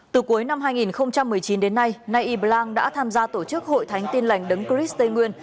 từ cuối năm hai nghìn một mươi chín đến nay y blang đã tham gia tổ chức hội thánh tin lành đấng chris tây nguyên